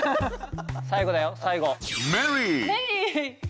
最後だよ最後。